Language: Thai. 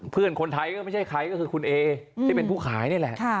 เพื่อนคนไทยก็ไม่ใช่ใครก็คือคุณเอที่เป็นผู้ขายนี่แหละ